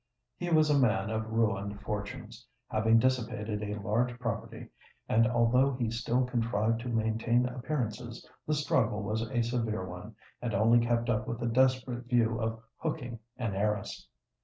He was a man of ruined fortunes—having dissipated a large property; and although he still contrived to maintain appearances, the struggle was a severe one, and only kept up with the desperate view of "hooking an heiress."